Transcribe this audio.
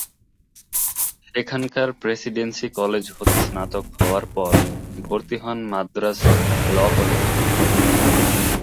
সেখানকার Presidency College হতে স্নাতক হওয়ার পর ভর্তি হন মাদ্রাজ ল'কলেজে।